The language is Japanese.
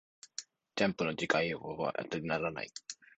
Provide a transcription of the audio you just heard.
ジャンプの次号予告は当てにならない